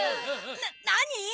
な何？